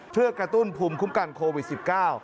เพื่อกระตุ้นภูมิคุ้มกันโควิด๑๙